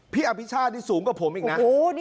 พี่อภิชาตินี่สูงกว่าผมอีกนะ